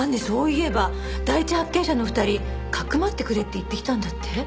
そういえば第一発見者の２人かくまってくれって言ってきたんだって？